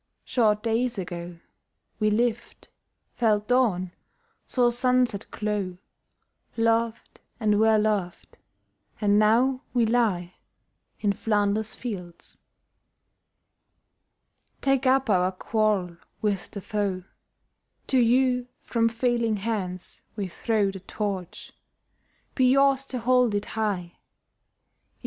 Short days ago We lived, felt dawn, saw sunset glow, Loved, and were loved, and now we lie In Flanders fields. Take up our quarrel with the foe: To you from failing hands we throw The Torch: be yours to hold it high!